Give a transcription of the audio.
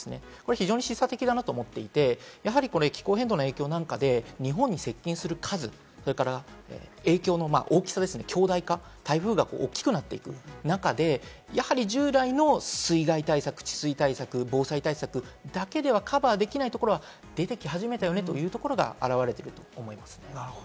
非常に示唆的だなと思っていて、気候変動の影響なんかで日本に接近する数、それから影響の大きさ、巨大化、台風が大きくなっていく中で、やはり従来の水害対策、治水対策、防災対策だけではカバーできないところは出てき始めたよねというところが表れています。